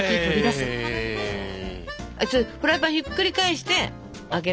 フライパンひっくり返してあけるのよ